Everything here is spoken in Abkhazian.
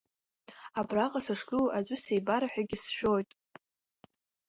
Абраҟа сышгылоу аӡәы сибар ҳәагьы сшәоит!